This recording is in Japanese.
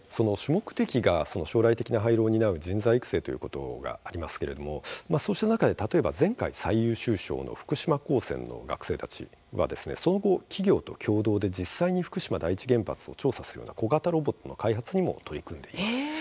主目的が将来的な廃炉を担う人材育成ということがありますがそうした中で例えば前回、最優秀賞の福島高専の学生たちはその後、企業と共同で実際に福島第一原発を調査する小型ロボットの開発にも取り組んでいます。